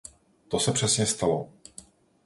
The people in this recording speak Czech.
To se přesně stalo.